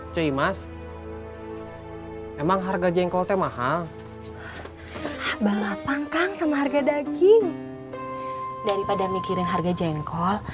cemas hai emang harga jengkol te mahal balapan kang sama harga daging daripada mikirin harga jengkol